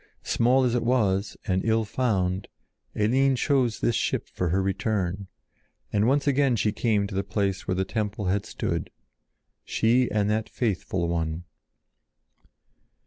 Small as it was, and ill found, Eline chose this ship for her return, and once again she came to the place where the temple had stood—she and that faithful one.